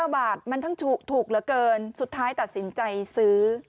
๙บาทมันทั้งถูกเหลือเกินสุดท้ายตัดสินใจซื้อ